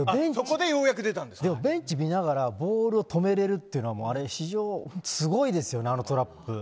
でもベンチ見ながらボールを止めれるというのすごいですよねあのトラップ。